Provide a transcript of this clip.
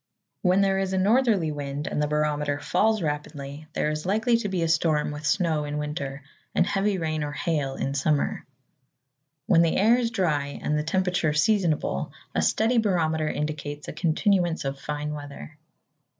When there is a northerly wind, and the barometer falls rapidly, there is likely to be a storm with snow in winter, and heavy rain or hail in summer. When the air is dry and the temperature seasonable, a steady barometer indicates a continuance of fine weather.